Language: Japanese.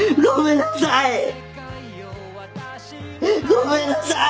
ごめんなさい！